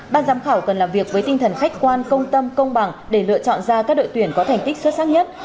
ban giám khảo cần làm việc với tinh thần khách quan công tâm công bằng để lựa chọn ra các đội tuyển có thành tích xuất sắc nhất